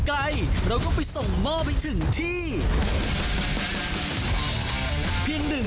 กับคาราเบาแดง